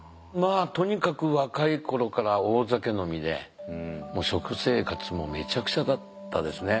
とにかく若い頃から大酒飲みで食生活もめちゃくちゃだったですね。